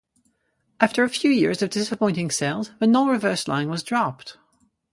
After a few years of disappointing sales, the "non-reverse" line was dropped.